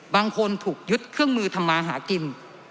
บางคนถูกยึดเครื่องมือทำมาหากิน